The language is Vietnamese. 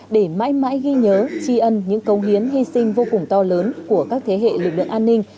để mãi mãi ghi nhớ tri ân những công hiến hy sinh vô cùng to lớn của các thế hệ lực lượng an ninh